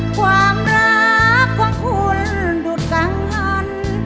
ความรักของคุณดูดกังหัน